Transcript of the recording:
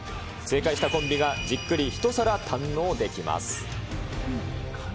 正解したコンビがじっくり一皿堪能できます。